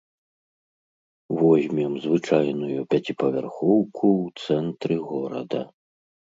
Возьмем звычайную пяціпавярхоўку ў цэнтры горада.